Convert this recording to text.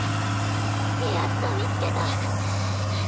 やっと見つけた！